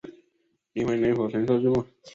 灵魂能否承受寂寞